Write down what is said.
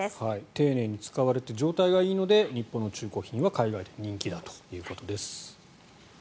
丁寧に使われて状態がいいので日本の中古品は海外で人気だということです。